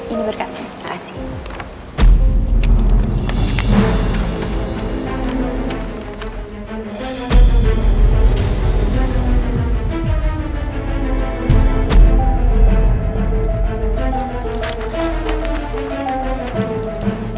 ini berkasnya terima kasih